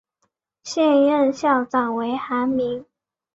现任校长为韩民。